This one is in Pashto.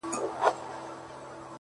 هغې ويل ه ځه درځه چي کلي ته ځو ـ